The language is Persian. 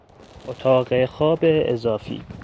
اتاق خواب اضافی